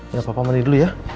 ya bapak mandi dulu ya